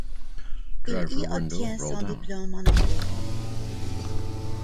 Il y obtient son diplôme en anglais.